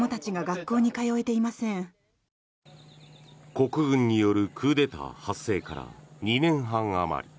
国軍によるクーデター発生から２年半あまり。